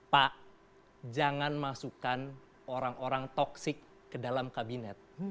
pak jangan masukkan orang orang toksik ke dalam kabinet